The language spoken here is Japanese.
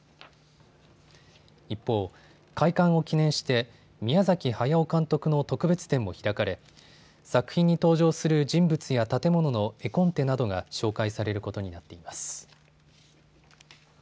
一方、開館を記念して宮崎駿監督の特別展も開かれ、作品に登場する人物や建物の絵コンテなどが紹介されることになっています。